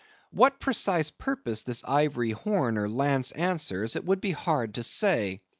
What precise purpose this ivory horn or lance answers, it would be hard to say.